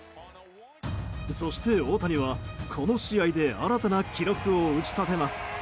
そして、大谷はこの試合で新たな記録を打ち立てます。